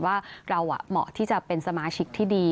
ว่าเราเหมาะที่จะเป็นสมาชิกที่ดี